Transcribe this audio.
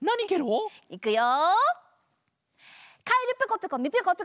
いくよ！